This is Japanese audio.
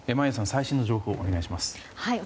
最新の情報をお願いします。